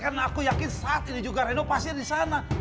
karena aku yakin saat ini juga reno pasti ada disana